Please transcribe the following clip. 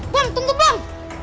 bom tunggu bom